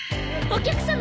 お客様！？